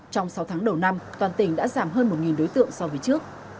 trong sáu tháng đầu năm toàn tỉnh đã giảm hơn một đối tượng so với trước